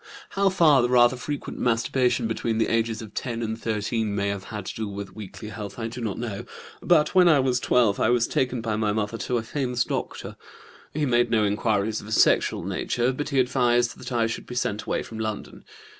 "How far the rather frequent masturbation between the ages of 10 and 13 may have had to do with weakly health I do not know, but when I was 12 I was taken by my mother to a famous doctor. He made no inquiries of a sexual nature, but he advised that I should be sent away from London.